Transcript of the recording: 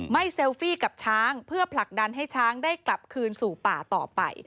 เซลฟี่กับช้างเพื่อผลักดันให้ช้างได้กลับคืนสู่ป่าต่อไป